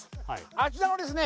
あちらのですね